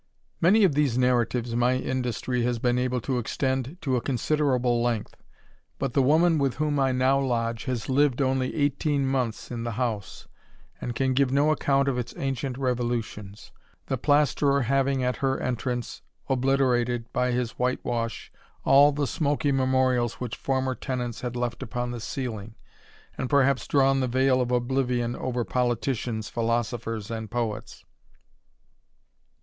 " Many of these narratives my industry has been able to extend to a considerable length ; but the woman with whom I now lodge has lived only eighteen months in the house, and can give no account of its ancient revolutions ; the plaisterer having, at her entrance, obliterated, by his white wash, all the smoky memorials which former tenants had left upon the ceiling, and perhaps drawn the veil of oblivion over politicians, philosophers, and poets.